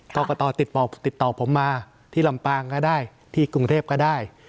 กรกตติดต่อติดต่อผมมาที่ลำปางก็ได้ที่กรุงเทพก็ได้